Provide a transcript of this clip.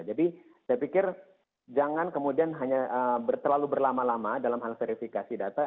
jadi saya pikir jangan kemudian hanya terlalu berlama lama dalam hal verifikasi data